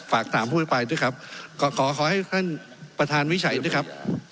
ฝากถามผู้อภิปรายด้วยครับขอขอให้ท่านประธานวิจัยด้วยครับ